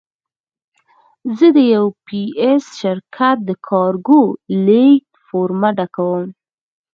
زه د یو پي ایس شرکت د کارګو لېږد فورمه ډکوم.